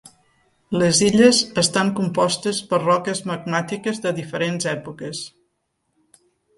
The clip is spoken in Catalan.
Les illes estan compostes per roques magmàtiques de diferents èpoques.